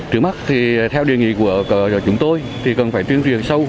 trước mắt thì theo đề nghị của chúng tôi thì cần phải tuyên truyền sâu